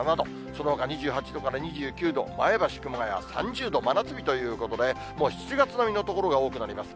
そのほか２８度から２９度、前橋、熊谷３０度、真夏日ということで、もう７月並みの所が多くなります。